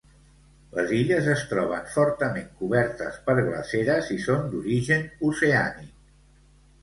Les illes es troben fortament cobertes per glaceres i són d'origen oceànic.